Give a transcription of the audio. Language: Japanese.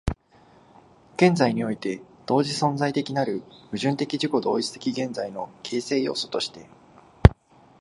現在において同時存在的なる矛盾的自己同一的現在の形成要素として、